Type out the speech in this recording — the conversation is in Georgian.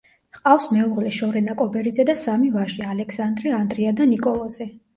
ჰყავს მეუღლე შორენა კობერიძე და სამი ვაჟი, ალექსანდრე, ანდრია და ნიკოლოზი.